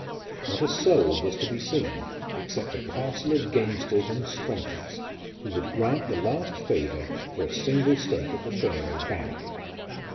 Not a soul was to be seen, except a parcel of gamesters and strumpets, who would grant the last favour for a single stake at the Pharaoh bank.